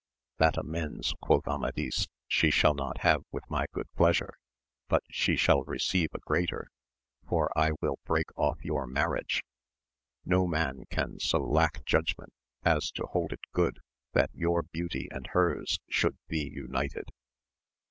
That amends, quoth Amadis, she shall not have with my goo(f pleasure, but she shall receive a greater ; for I will break off your marriage. No man can so lack judgment as to hold it good that your beauty and hers should be united